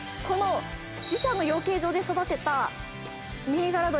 この自社の養鶏場で育てた銘柄